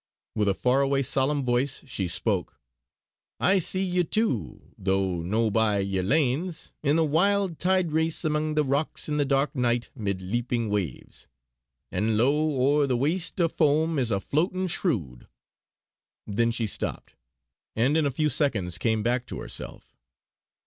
With a far away solemn voice she spoke: "I see ye too, though no by yer lanes, in the wild tide race amang the rocks in the dark nicht, mid leaping waves. An' lo! o'er the waste o' foam is a floatin' shrood!" Then she stopped, and in a few seconds came back to herself.